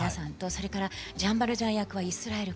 それからジャン・バルジャン役はイスラエルから。